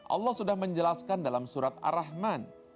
allah sudah menjelaskan dalam surat ar rahman